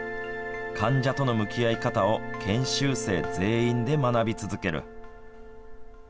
患者との向き合い方を研修生全員で学び続ける。